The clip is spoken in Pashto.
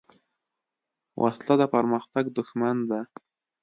وسله د پرمختګ دښمن ده